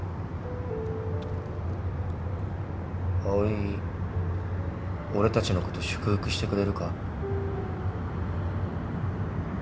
葵俺たちのこと祝福してくれるか？